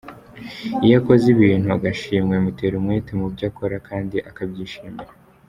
Iyo akoze ibintu agashimwa bimutera umwete mu byo akora kandi akabyishimira.